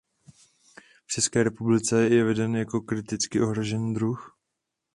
V České republice je veden jako kriticky ohrožený druh.